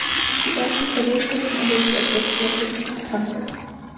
Die ersten Klavierstunden erhielt sie als Sechsjährige von ihrer Tante.